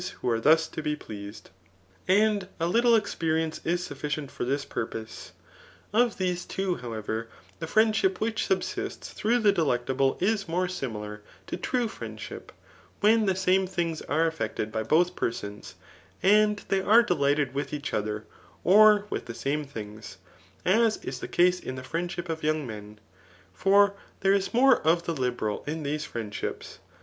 vho are thus to be pleased], and a little experience is sufficient for this purpose* Of these two, however^ the friendship which subsists through the ddectable is more similar) Qo true friendship,] when the same things are effected by both persons, and they are delighted with each other, or with the same things ; as is the case in the friendships of young men ; for there is more of the Vbe* ral in these friendships.